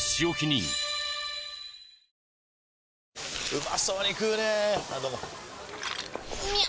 うまそうに食うねぇあどうもみゃう！！